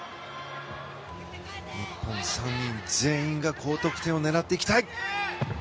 日本は３人全員が高得点を狙っていきたい。